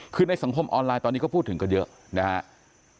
คือในสังคมออนไลน์ตอนนี้ก็พูดถึงกันเยอะนะครับ